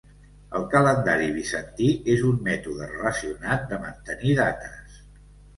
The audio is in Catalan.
El calendari bizantí és un mètode relacionat de mantenir dates.